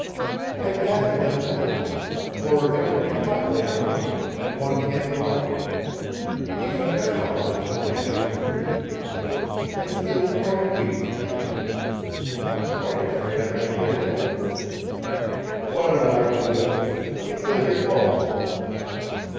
"I gathered them now, for it will be hot later on and one can't go out. Even now one can only just breathe. I feel quite weak from the heat. I'm quite afraid I may get ill." "What an idea! Let me feel your pulse."